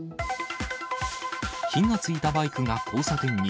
火がついたバイクが交差点に。